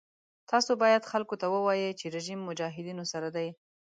تاسو باید خلکو ته ووایئ چې رژیم مجاهدینو سره دی.